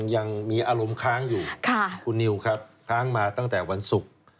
ยังมีอารมณ์ค้างอยู่คุณนิวครับค้างมาตั้งแต่วันศุกร์